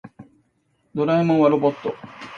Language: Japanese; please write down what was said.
ドラえもんはロボット。